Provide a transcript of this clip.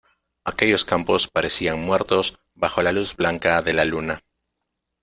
aquellos campos parecían muertos bajo la luz blanca de la luna: